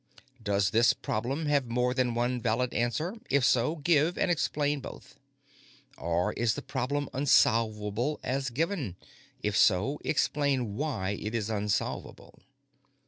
"Does this problem have more than one valid answer? If so, give and explain both. "Or is the problem unsolvable as given? If so, explain why it is unsolvable."